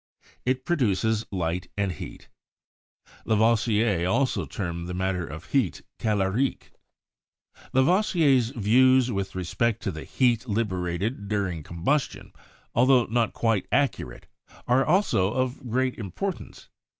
It produces light and heat. Lavoisier also termed the matter of heat "calorique." Lavoisier's views with respect to the heat liberated dur ing combustion, altho not quite accurate, are also of great importance.